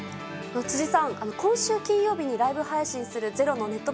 辻さん、今週金曜日にライブ配信する「ｚｅｒｏ」のネット